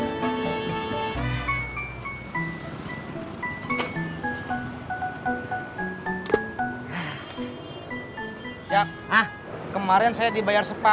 emang ada harus seperti dengan nama helo lelaki